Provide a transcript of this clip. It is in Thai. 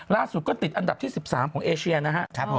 ล่าสุดก็ติดอันดับที่๑๓ของเอเชียนะครับ